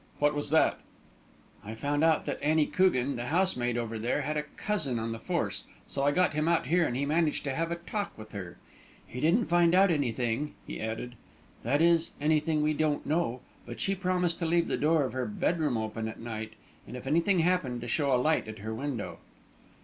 "What was that?" "I found out that Annie Crogan, the housemaid over there, had a cousin on the force, so I got him out here and he managed to have a talk with her. He didn't find out anything," he added; "that is, anything we don't know; but she promised to leave the door of her bedroom open at night, and, if anything happened, to show a light at her window."